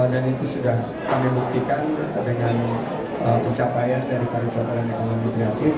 dan itu sudah kami buktikan dengan pencapaian dari pariwisata dan ekonomi